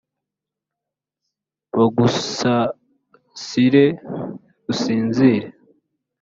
Bagusasire usinzire